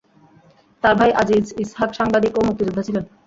তার ভাই আজিজ ইসহাক সাংবাদিক ও মুক্তিযোদ্ধা ছিলেন।